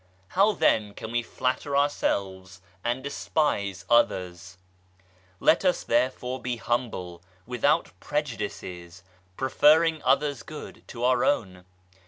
How then can we flatter ourselves and despise others ? Let us therefore be humble, without prejudices, preferring others' good to our own